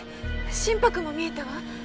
心拍も見えたわ。